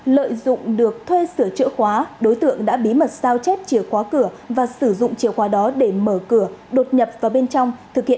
lợi dụng được thuê sửa chữa khóa đối tượng đã bí mật sao chép chìa khóa cửa và sử dụng chìa khóa đó để mở cửa đột nhập vào bên trong thực hiện